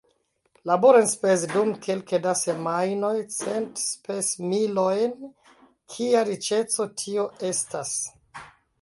Laborenspezi dum kelke da semajnoj cent spesmilojn kia riĉeco tio estas!